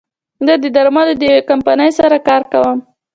زه د درملو د يوې کمپنۍ سره کار کوم